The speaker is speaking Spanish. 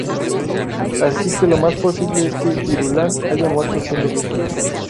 Así que lo más posible es que Irulan haya muerto siendo virgen.